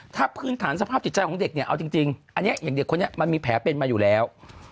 ถ้าพื้นฐานสภาพจิตใจของเด็กเนี่ยเอาจริงอันนี้อย่างเด็กคนนี้มันมีแผลเป็นมาอยู่แล้ว